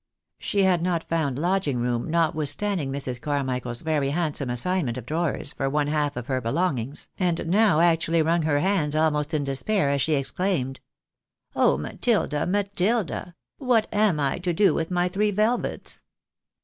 She had not found lodg ing room, notwithstanding Mrs. Carmichael's very handsome assignment of drawers, for one half of her belongings, and now actually wrung her hands, almost in despair, as she exclaimed —■" Oh ! Matilda, Matilda ! What am I to do with my three velvets?"